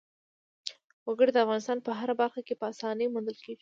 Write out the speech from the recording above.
وګړي د افغانستان په هره برخه کې په اسانۍ موندل کېږي.